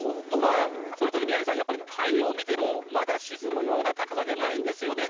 それとね、宮根さん、やっぱり太陽見ても、まだ沈むような高さじゃないんですよね。